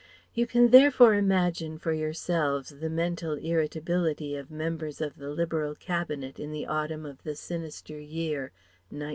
You can therefore imagine for yourselves the mental irritability of members of the Liberal Cabinet in the autumn of the sinister year 1913.